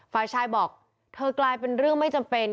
ฝ่ายชายบอกโฟกัสแค่ถึงเรื่องไม่จำเป็น